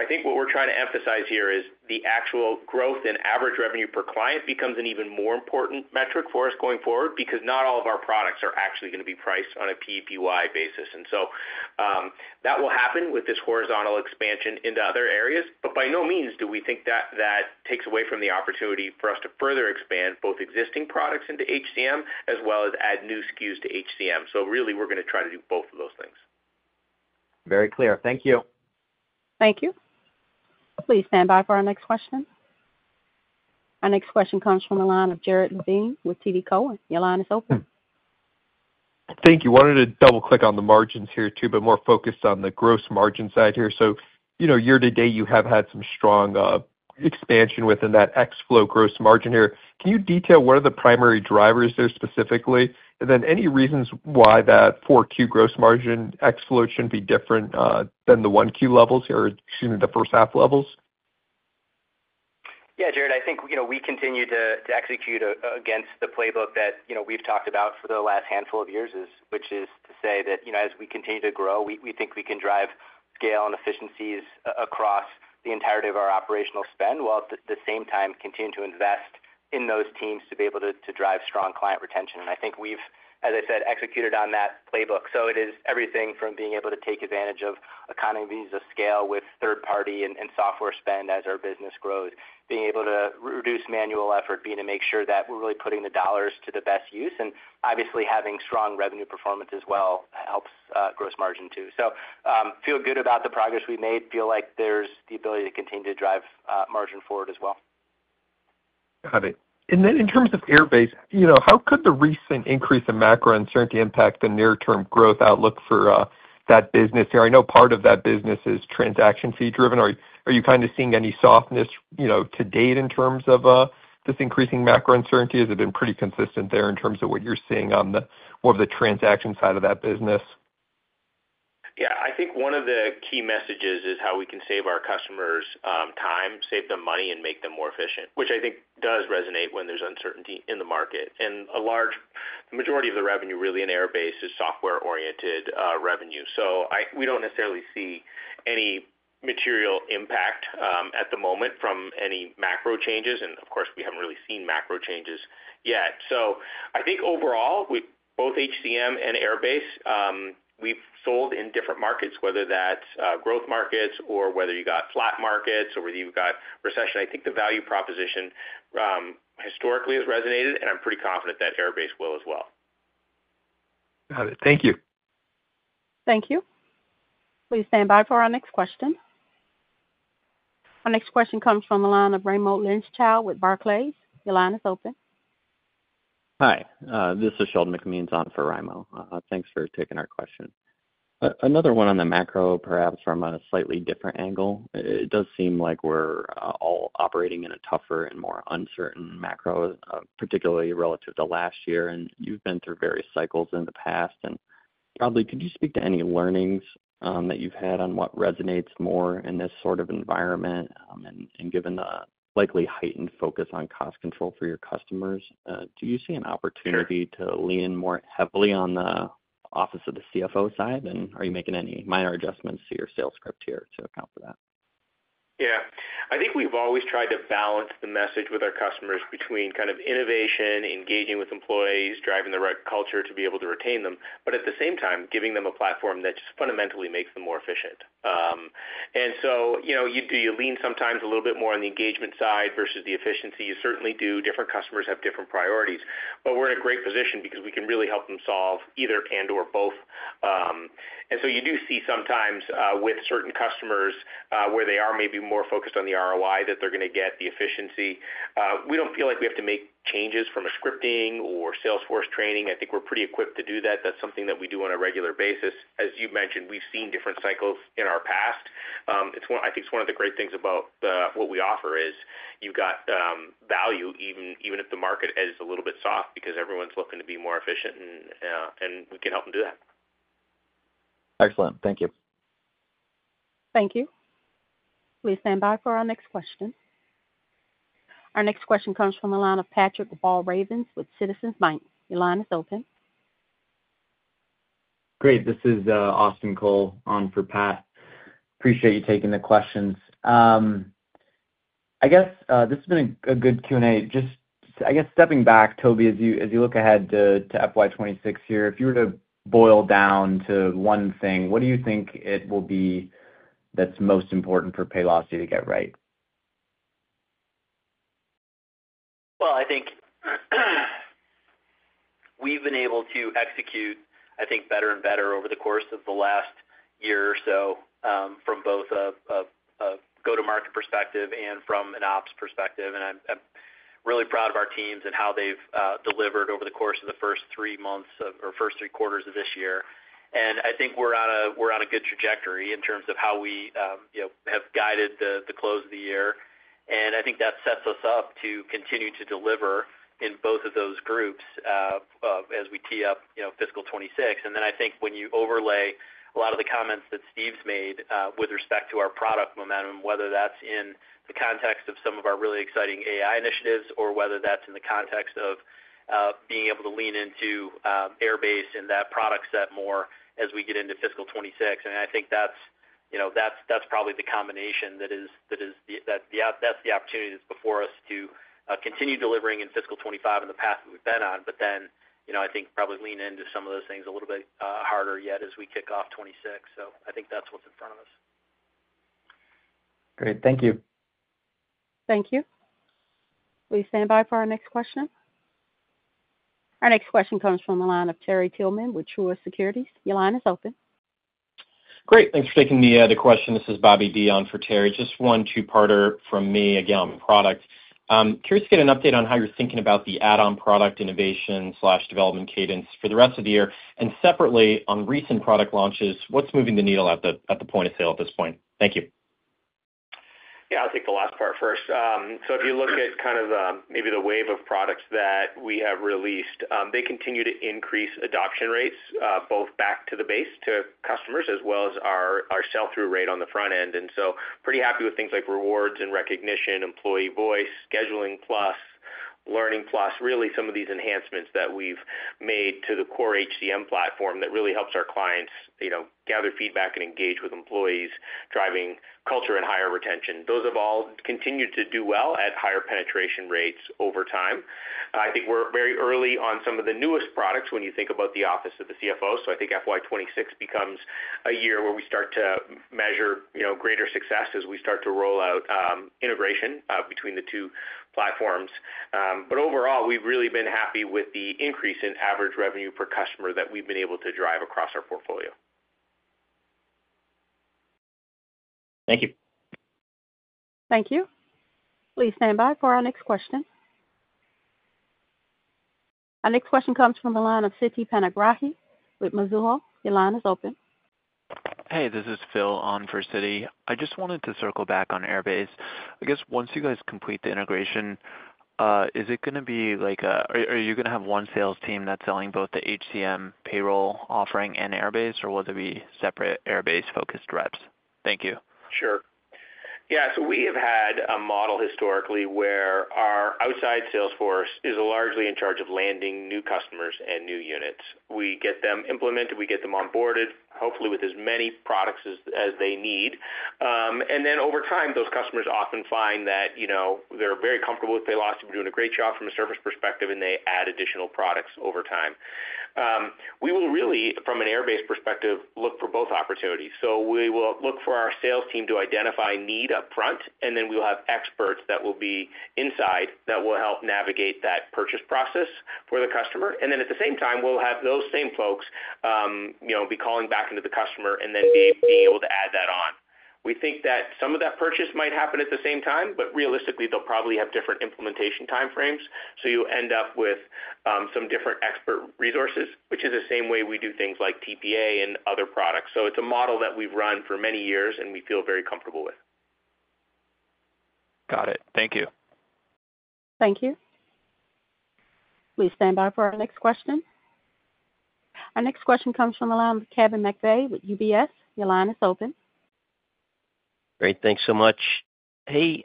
I think what we're trying to emphasize here is the actual growth in average revenue per client becomes an even more important metric for us going forward because not all of our products are actually going to be priced on a PEPY basis. And so that will happen with this horizontal expansion into other areas. By no means do we think that that takes away from the opportunity for us to further expand both existing products into HCM as well as add new SKUs to HCM. Really, we're going to try to do both of those things. Very clear. Thank you. Thank you. Please stand by for our next question. Our next question comes from the line of Jared Levine with TD Cowen. Your line is open. Thank you. Wanted to double-click on the margins here too, but more focused on the gross margin side here. Year to date, you have had some strong expansion within that exflow gross margin here. Can you detail what are the primary drivers there specifically? Any reasons why that 4Q gross margin exflow should not be different than the 1Q levels or, excuse me, the first half levels? Yeah, Jared, I think we continue to execute against the playbook that we've talked about for the last handful of years, which is to say that as we continue to grow, we think we can drive scale and efficiencies across the entirety of our operational spend while at the same time continue to invest in those teams to be able to drive strong client retention. I think we've, as I said, executed on that playbook. It is everything from being able to take advantage of economies of scale with third-party and software spend as our business grows, being able to reduce manual effort, being able to make sure that we're really putting the dollars to the best use. Obviously, having strong revenue performance as well helps gross margin too. I feel good about the progress we made, feel like there's the ability to continue to drive margin forward as well. Got it. In terms of Airbase, how could the recent increase in macro uncertainty impact the near-term growth outlook for that business here? I know part of that business is transaction fee-driven. Are you kind of seeing any softness to date in terms of this increasing macro uncertainty? Has it been pretty consistent there in terms of what you're seeing on more of the transaction side of that business? Yeah. I think one of the key messages is how we can save our customers time, save them money, and make them more efficient, which I think does resonate when there's uncertainty in the market. The majority of the revenue really in Airbase is software-oriented revenue. We do not necessarily see any material impact at the moment from any macro changes. Of course, we have not really seen macro changes yet. I think overall, with both HCM and Airbase, we have sold in different markets, whether that is growth markets or whether you got flat markets or whether you got recession. I think the value proposition historically has resonated, and I am pretty confident that Airbase will as well. Got it. Thank you. Thank you. Please stand by for our next question. Our next question comes from the line of Raimo Lenschow with Barclays. Your line is open. Hi. This is Sheldon McMeans on for Raimo. Thanks for taking our question. Another one on the macro, perhaps from a slightly different angle. It does seem like we're all operating in a tougher and more uncertain macro, particularly relative to last year. You've been through various cycles in the past. Probably, could you speak to any learnings that you've had on what resonates more in this sort of environment? Given the likely heightened focus on cost control for your customers, do you see an opportunity to lean more heavily on the Office of the CFO side? Are you making any minor adjustments to your sales script here to account for that? Yeah. I think we've always tried to balance the message with our customers between kind of innovation, engaging with employees, driving the right culture to be able to retain them, but at the same time, giving them a platform that just fundamentally makes them more efficient. You lean sometimes a little bit more on the engagement side versus the efficiency. You certainly do. Different customers have different priorities. We are in a great position because we can really help them solve either and/or both. You do see sometimes with certain customers where they are maybe more focused on the ROI that they're going to get, the efficiency. We don't feel like we have to make changes from a scripting or sales force training. I think we're pretty equipped to do that. That's something that we do on a regular basis. As you mentioned, we've seen different cycles in our past. I think it's one of the great things about what we offer is you've got value even if the market is a little bit soft because everyone's looking to be more efficient, and we can help them do that. Excellent. Thank you. Thank you. Please stand by for our next question. Our next question comes from the line of Patrick Walravens with Citizens Bank. Your line is open. Great. This is Austin Cole on for Pat. Appreciate you taking the questions. I guess this has been a good Q&A. Just, I guess, stepping back, Toby, as you look ahead to FY 2026 here, if you were to boil down to one thing, what do you think it will be that's most important for Paylocity to get right? I think we've been able to execute, I think, better and better over the course of the last year or so from both a go-to-market perspective and from an ops perspective. I'm really proud of our teams and how they've delivered over the course of the first three months or first three quarters of this year. I think we're on a good trajectory in terms of how we have guided the close of the year. I think that sets us up to continue to deliver in both of those groups as we tee up fiscal 2026. I think when you overlay a lot of the comments that Steve's made with respect to our product momentum, whether that's in the context of some of our really exciting AI initiatives or whether that's in the context of being able to lean into Airbase and that product set more as we get into fiscal 2026, I think that's probably the combination that is the opportunity that's before us to continue delivering in fiscal 2025 and the path that we've been on. I think probably lean into some of those things a little bit harder yet as we kick off 2026. I think that's what's in front of us. Great. Thank you. Thank you. Please stand by for our next question. Our next question comes from the line of Terry Tillman with Truist Securities. Your line is open. Great. Thanks for taking the question. This is Bobby Dee on for Terry. Just one two-parter from me. Again, I'm a product. Curious to get an update on how you're thinking about the add-on product innovation/development cadence for the rest of the year. Separately, on recent product launches, what's moving the needle at the point of sale at this point? Thank you. Yeah. I'll take the last part first. If you look at kind of maybe the wave of products that we have released, they continue to increase adoption rates both back to the base to customers as well as our sell-through rate on the front end. Pretty happy with things like Rewards and Recognition, Employee Voice, Scheduling Plus, Learning Plus, really some of these enhancements that we've made to the core HCM platform that really helps our clients gather feedback and engage with employees, driving culture and higher retention. Those have all continued to do well at higher penetration rates over time. I think we're very early on some of the newest products when you think about the Office of the CFO. I think FY 2026 becomes a year where we start to measure greater success as we start to roll out integration between the two platforms. Overall, we've really been happy with the increase in average revenue per customer that we've been able to drive across our portfolio. Thank you. Thank you. Please stand by for our next question. Our next question comes from the line of Siti Panigrahi with Mizuho. Your line is open. Hey, this is Phil on for Siti. I just wanted to circle back on Airbase. I guess once you guys complete the integration, is it going to be like a are you going to have one sales team that's selling both the HCM payroll offering and Airbase, or will there be separate Airbase-focused reps? Thank you. Sure. Yeah. We have had a model historically where our outside sales force is largely in charge of landing new customers and new units. We get them implemented. We get them onboarded, hopefully with as many products as they need. Over time, those customers often find that they are very comfortable with Paylocity. We are doing a great job from a service perspective, and they add additional products over time. We will really, from an Airbase perspective, look for both opportunities. We will look for our sales team to identify need upfront, and then we will have experts that will be inside that will help navigate that purchase process for the customer. At the same time, we will have those same folks be calling back into the customer and then be able to add that on. We think that some of that purchase might happen at the same time, but realistically, they'll probably have different implementation time frames. You end up with some different expert resources, which is the same way we do things like TPA and other products. It's a model that we've run for many years, and we feel very comfortable with. Got it. Thank you. Thank you. Please stand by for our next question. Our next question comes from the line of Kevin McVeigh with UBS. Your line is open. Great. Thanks so much. Hey,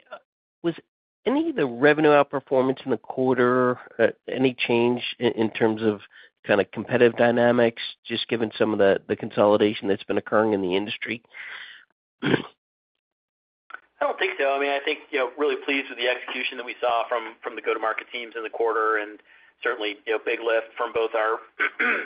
was any of the revenue outperformance in the quarter, any change in terms of kind of competitive dynamics, just given some of the consolidation that's been occurring in the industry? I don't think so. I mean, I think really pleased with the execution that we saw from the go-to-market teams in the quarter and certainly big lift from both our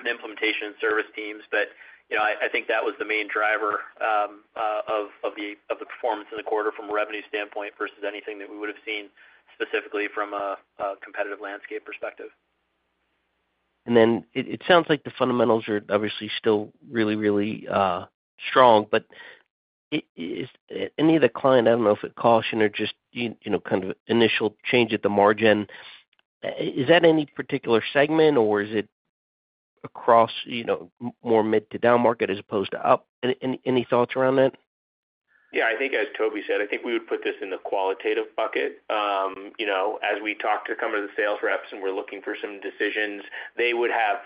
implementation and service teams. I think that was the main driver of the performance in the quarter from a revenue standpoint versus anything that we would have seen specifically from a competitive landscape perspective. It sounds like the fundamentals are obviously still really, really strong. Any of the client, I do not know if it is caution or just kind of initial change at the margin, is that any particular segment, or is it across more mid to down market as opposed to up? Any thoughts around that? Yeah. I think, as Toby said, I think we would put this in the qualitative bucket. As we talk to some of the sales reps and we're looking for some decisions, they would have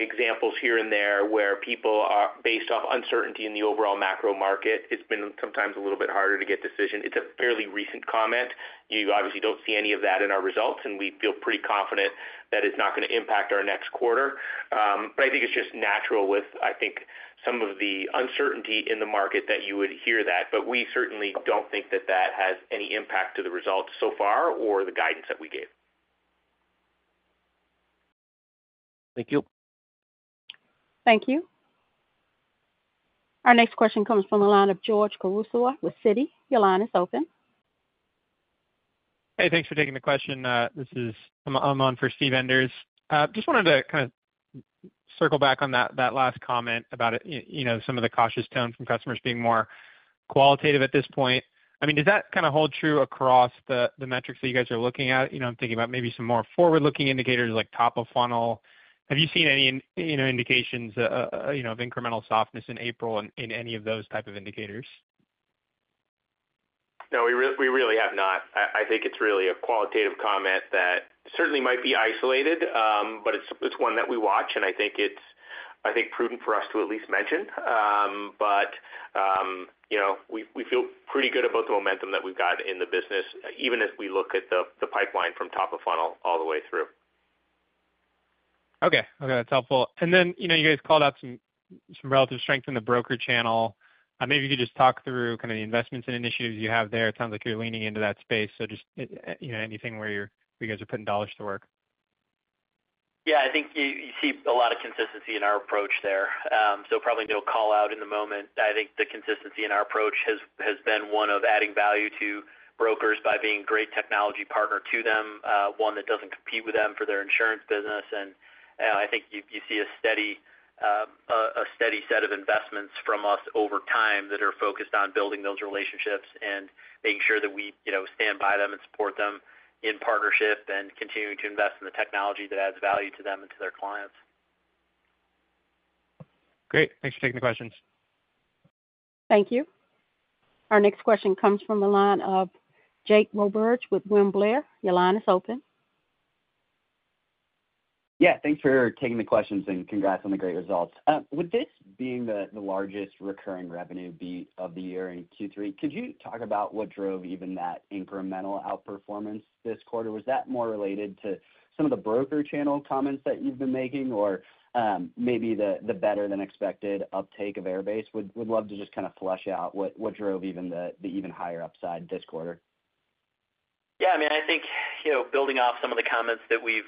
examples here and there where people, based off uncertainty in the overall macro market, it's been sometimes a little bit harder to get decision. It's a fairly recent comment. You obviously don't see any of that in our results, and we feel pretty confident that it's not going to impact our next quarter. I think it's just natural with, I think, some of the uncertainty in the market that you would hear that. We certainly don't think that that has any impact to the results so far or the guidance that we gave. Thank you. Thank you. Our next question comes from the line of George Kurosawa with Citi. Your line is open. Hey, thanks for taking the question. This is, I'm on for Steve Enders. Just wanted to kind of circle back on that last comment about some of the cautious tone from customers being more qualitative at this point. I mean, does that kind of hold true across the metrics that you guys are looking at? I'm thinking about maybe some more forward-looking indicators like top of funnel. Have you seen any indications of incremental softness in April in any of those type of indicators? No, we really have not. I think it's really a qualitative comment that certainly might be isolated, but it's one that we watch, and I think it's prudent for us to at least mention. We feel pretty good about the momentum that we've got in the business, even as we look at the pipeline from top of funnel all the way through. Okay. Okay. That's helpful. You guys called out some relative strength in the broker channel. Maybe you could just talk through kind of the investments and initiatives you have there. It sounds like you're leaning into that space. Just anything where you guys are putting dollars to work. Yeah. I think you see a lot of consistency in our approach there. Probably no call out in the moment. I think the consistency in our approach has been one of adding value to brokers by being a great technology partner to them, one that doesn't compete with them for their insurance business. I think you see a steady set of investments from us over time that are focused on building those relationships and making sure that we stand by them and support them in partnership and continue to invest in the technology that adds value to them and to their clients. Great. Thanks for taking the questions. Thank you. Our next question comes from the line of Jake Roberge with William Blair. Your line is open. Yeah. Thanks for taking the questions and congrats on the great results. With this being the largest recurring revenue beat of the year in Q3, could you talk about what drove even that incremental outperformance this quarter? Was that more related to some of the broker channel comments that you've been making or maybe the better-than-expected uptake of Airbase? Would love to just kind of flesh out what drove even the even higher upside this quarter. Yeah. I mean, I think building off some of the comments that we've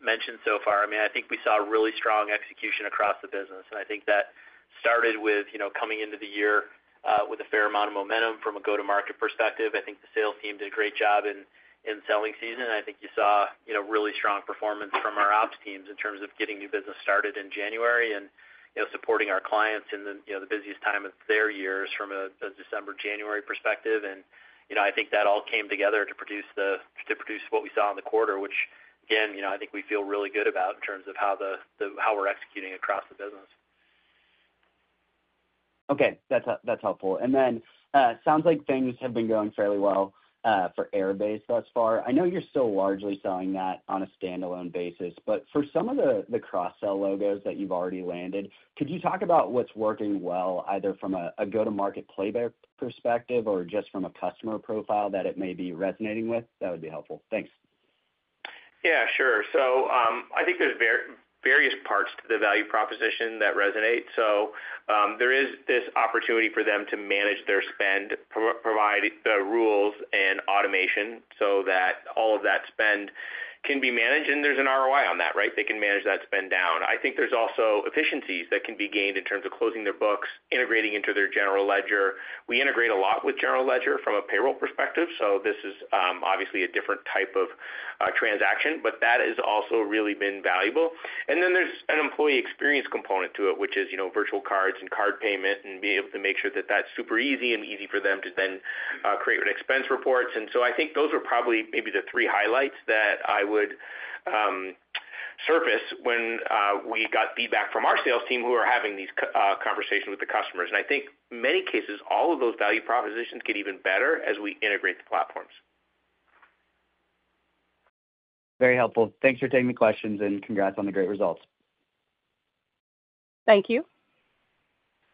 mentioned so far, I mean, I think we saw really strong execution across the business. I think that started with coming into the year with a fair amount of momentum from a go-to-market perspective. I think the sales team did a great job in selling season. I think you saw really strong performance from our ops teams in terms of getting new business started in January and supporting our clients in the busiest time of their years from a December, January perspective. I think that all came together to produce what we saw in the quarter, which, again, I think we feel really good about in terms of how we're executing across the business. Okay. That's helpful. It sounds like things have been going fairly well for Airbase thus far. I know you're still largely selling that on a standalone basis, but for some of the cross-sell logos that you've already landed, could you talk about what's working well either from a go-to-market playbook perspective or just from a customer profile that it may be resonating with? That would be helpful. Thanks. Yeah. Sure. I think there's various parts to the value proposition that resonate. There is this opportunity for them to manage their spend, provide the rules and automation so that all of that spend can be managed, and there's an ROI on that, right? They can manage that spend down. I think there's also efficiencies that can be gained in terms of closing their books, integrating into their general ledger. We integrate a lot with general ledger from a payroll perspective. This is obviously a different type of transaction, but that has also really been valuable. There is an employee experience component to it, which is virtual cards and card payment and being able to make sure that that's super easy and easy for them to then create expense reports. I think those are probably maybe the three highlights that I would surface when we got feedback from our sales team who are having these conversations with the customers. I think in many cases, all of those value propositions get even better as we integrate the platforms. Very helpful. Thanks for taking the questions and congrats on the great results. Thank you.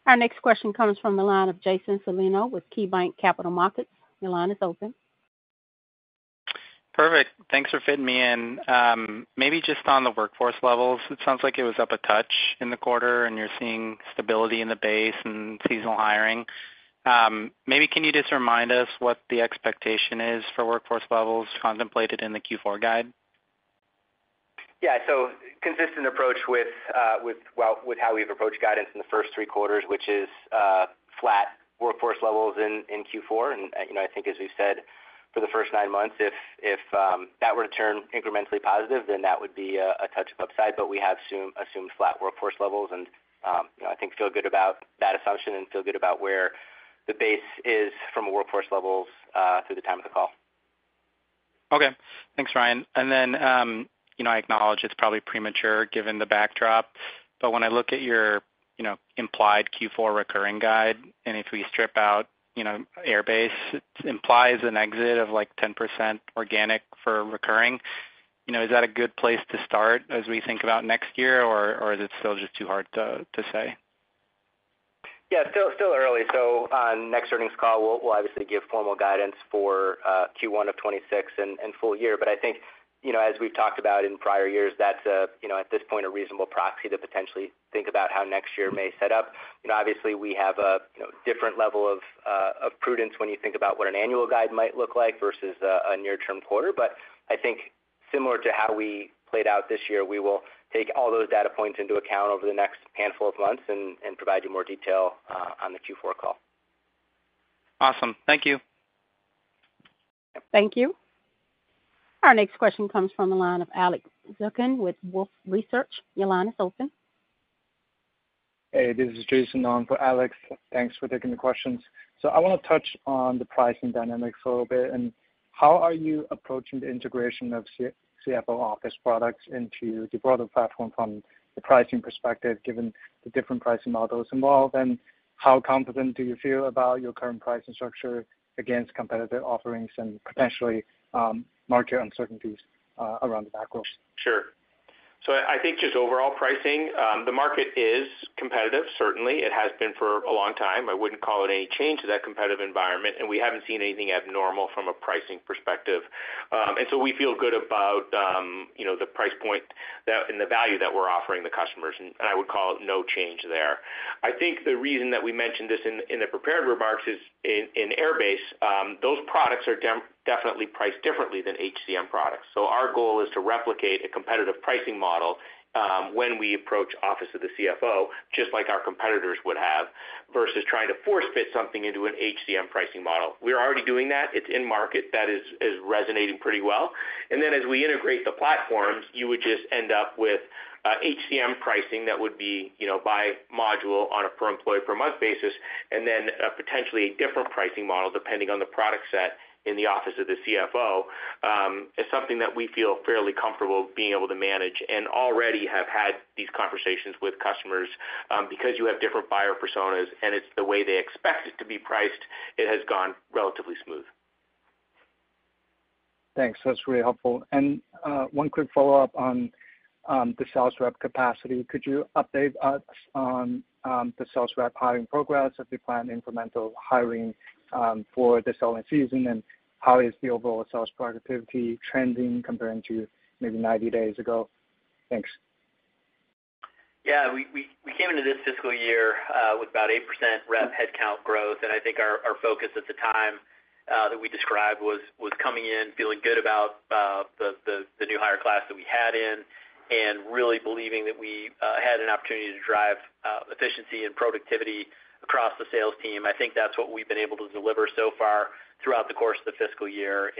Our next question comes from the line of Jason Celino with KeyBanc Capital Markets. Your line is open. Perfect. Thanks for fitting me in. Maybe just on the workforce levels, it sounds like it was up a touch in the quarter, and you're seeing stability in the base and seasonal hiring. Maybe can you just remind us what the expectation is for workforce levels contemplated in the Q4 guide? Yeah. Consistent approach with how we've approached guidance in the first three quarters, which is flat workforce levels in Q4. I think, as we've said, for the first nine months, if that were to turn incrementally positive, then that would be a touch of upside. We have assumed flat workforce levels, and I think feel good about that assumption and feel good about where the base is from workforce levels through the time of the call. Okay. Thanks, Ryan. I acknowledge it's probably premature given the backdrop, but when I look at your implied Q4 recurring guide, and if we strip out Airbase, it implies an exit of like 10% organic for recurring. Is that a good place to start as we think about next year, or is it still just too hard to say? Yeah. Still early. On next earnings call, we'll obviously give formal guidance for Q1 of 2026 and full year. I think, as we've talked about in prior years, that's at this point a reasonable proxy to potentially think about how next year may set up. Obviously, we have a different level of prudence when you think about what an annual guide might look like versus a near-term quarter. I think similar to how we played out this year, we will take all those data points into account over the next handful of months and provide you more detail on the Q4 call. Awesome. Thank you. Thank you. Our next question comes from the line of Alex Zukin with Wolfe Research. Your line is open. Hey, this is Jason on for Alex. Thanks for taking the questions. I want to touch on the pricing dynamics a little bit. How are you approaching the integration of CFO Office products into the broader platform from the pricing perspective, given the different pricing models involved? How confident do you feel about your current pricing structure against competitive offerings and potentially market uncertainties around the macros? Sure. I think just overall pricing, the market is competitive, certainly. It has been for a long time. I would not call it any change to that competitive environment, and we have not seen anything abnormal from a pricing perspective. We feel good about the price point and the value that we are offering the customers. I would call it no change there. I think the reason that we mentioned this in the prepared remarks is in Airbase, those products are definitely priced differently than HCM products. Our goal is to replicate a competitive pricing model when we approach Office of the CFO, just like our competitors would have, versus trying to force-fit something into an HCM pricing model. We are already doing that. It is in market. That is resonating pretty well. As we integrate the platforms, you would just end up with HCM pricing that would be by module on a per employee per month basis, and then potentially a different pricing model depending on the product set in the Office of the CFO is something that we feel fairly comfortable being able to manage and already have had these conversations with customers. Because you have different buyer personas and it's the way they expect it to be priced, it has gone relatively smooth. Thanks. That's really helpful. One quick follow-up on the sales rep capacity. Could you update us on the sales rep hiring progress as you plan incremental hiring for the selling season? How is the overall sales productivity trending compared to maybe 90 days ago? Thanks. Yeah. We came into this fiscal year with about 8% rep headcount growth. I think our focus at the time that we described was coming in, feeling good about the new hire class that we had in, and really believing that we had an opportunity to drive efficiency and productivity across the sales team. I think that's what we've been able to deliver so far throughout the course of the fiscal year.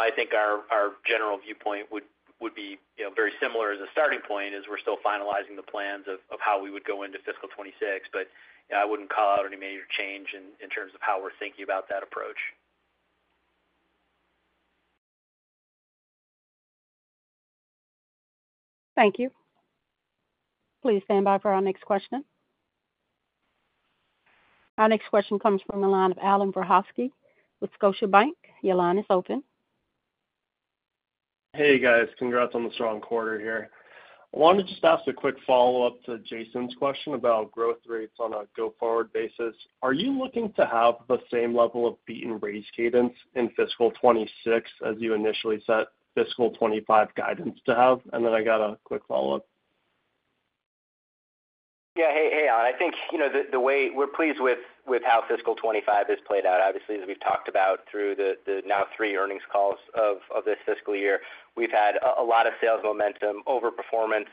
I think our general viewpoint would be very similar as a starting point as we're still finalizing the plans of how we would go into fiscal 2026. I wouldn't call out any major change in terms of how we're thinking about that approach. Thank you. Please stand by for our next question. Our next question comes from the line of Allan Verkhovski with Scotiabank. Your line is open. Hey, guys. Congrats on the strong quarter here. I wanted to just ask a quick follow-up to Jason's question about growth rates on a go-forward basis. Are you looking to have the same level of beat and raise cadence in fiscal 2026 as you initially set fiscal 2025 guidance to have? I got a quick follow-up. Yeah. Hey, Allan. I think the way we're pleased with how fiscal 2025 has played out, obviously, as we've talked about through the now three earnings calls of this fiscal year, we've had a lot of sales momentum, overperformance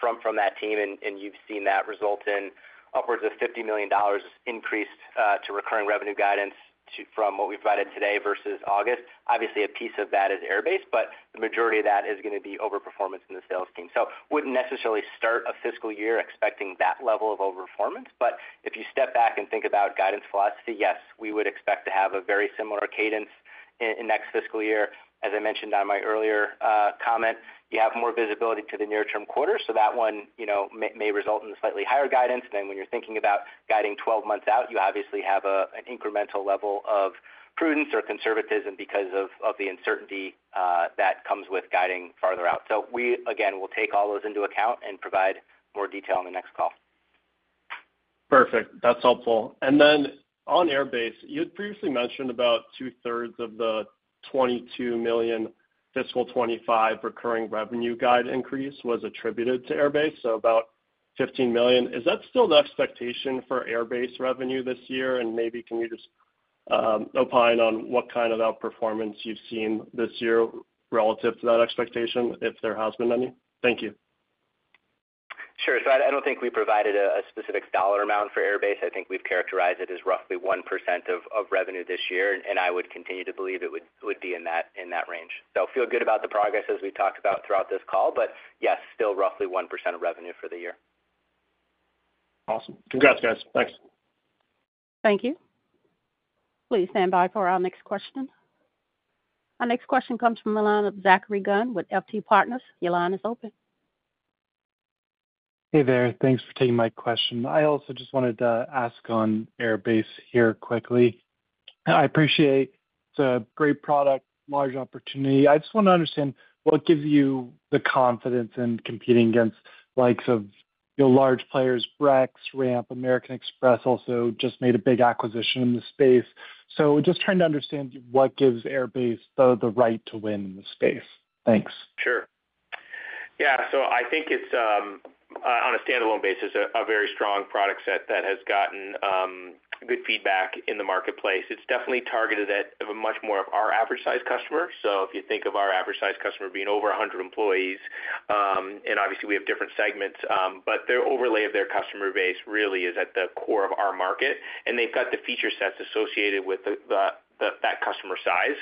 from that team, and you've seen that result in upwards of $50 million increased to recurring revenue guidance from what we provided today versus August. Obviously, a piece of that is Airbase, but the majority of that is going to be overperformance in the sales team. Wouldn't necessarily start a fiscal year expecting that level of overperformance. If you step back and think about guidance philosophy, yes, we would expect to have a very similar cadence in next fiscal year. As I mentioned on my earlier comment, you have more visibility to the near-term quarter. That one may result in slightly higher guidance. When you're thinking about guiding 12 months out, you obviously have an incremental level of prudence or conservatism because of the uncertainty that comes with guiding farther out. We, again, will take all those into account and provide more detail on the next call. Perfect. That's helpful. On Airbase, you had previously mentioned about two-thirds of the $22 million fiscal 2025 recurring revenue guide increase was attributed to Airbase, so about $15 million. Is that still the expectation for Airbase revenue this year? Maybe can you just opine on what kind of outperformance you've seen this year relative to that expectation, if there has been any? Thank you. Sure. I do not think we provided a specific dollar amount for Airbase. I think we have characterized it as roughly 1% of revenue this year. I would continue to believe it would be in that range. I feel good about the progress as we talked about throughout this call, but yes, still roughly 1% of revenue for the year. Awesome. Congrats, guys. Thanks. Thank you. Please stand by for our next question. Our next question comes from the line of Zachary Gunn with FT Partners. Your line is open. Hey there. Thanks for taking my question. I also just wanted to ask on Airbase here quickly. I appreciate it's a great product, large opportunity. I just want to understand what gives you the confidence in competing against likes of your large players, Brex, Ramp, American Express also just made a big acquisition in the space. Just trying to understand what gives Airbase the right to win in the space. Thanks. Sure. Yeah. I think it's, on a standalone basis, a very strong product set that has gotten good feedback in the marketplace. It's definitely targeted at much more of our average-sized customers. If you think of our average-sized customer being over 100 employees, and obviously we have different segments, their overlay of their customer base really is at the core of our market. They've got the feature sets associated with that customer size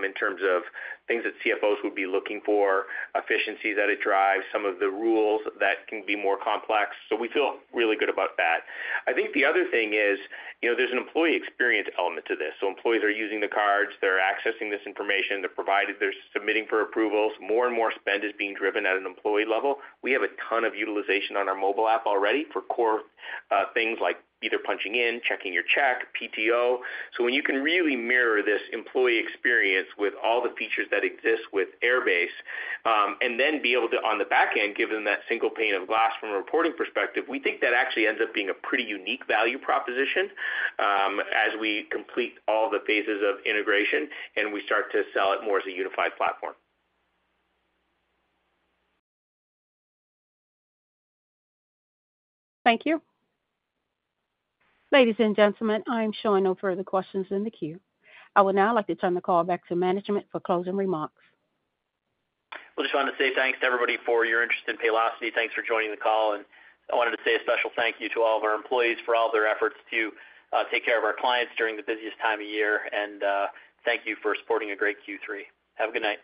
in terms of things that CFOs would be looking for, efficiencies that it drives, some of the rules that can be more complex. We feel really good about that. I think the other thing is there's an employee experience element to this. Employees are using the cards, they're accessing this information, they're submitting for approvals, more and more spend is being driven at an employee level. We have a ton of utilization on our mobile app already for core things like either punching in, checking your check, PTO. When you can really mirror this employee experience with all the features that exist with Airbase and then be able to, on the back end, give them that single pane of glass from a reporting perspective, we think that actually ends up being a pretty unique value proposition as we complete all the phases of integration and we start to sell it more as a unified platform. Thank you. Ladies and gentlemen, I am showing no further questions in the queue. I would now like to turn the call back to management for closing remarks. I just wanted to say thanks to everybody for your interest in Paylocity. Thanks for joining the call. I wanted to say a special thank you to all of our employees for all of their efforts to take care of our clients during the busiest time of year. Thank you for supporting a great Q3. Have a good night.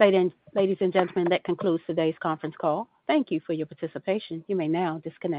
Thank you. Ladies and gentlemen, that concludes today's conference call. Thank you for your participation. You may now disconnect.